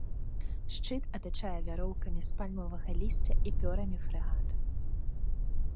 Шчыт атачае вяроўкамі з пальмавага лісця і пёрамі фрэгата.